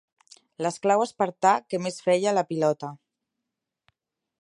L'esclau espartà que més feia la pilota.